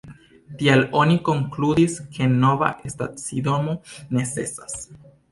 Tial oni konkludis ke nova stacidomo necesas.